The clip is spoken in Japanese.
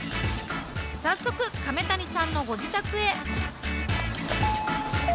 早速亀谷さんのご自宅へ。